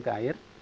masukkan ke air